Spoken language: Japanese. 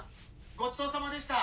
ごちそうさまでした。